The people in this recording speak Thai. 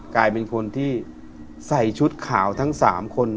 กลายเป็นคนที่ใส่ชุดขาวทั้ง๓คน